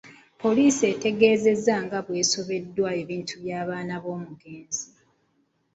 Poliisi etegeezezza nga bw'esobeddwa ebintu by'abaana b'omugenzi.